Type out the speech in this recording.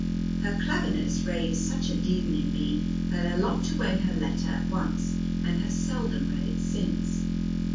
Her cleverness raised such a demon in me that I locked away her letter at once and have seldom read it since.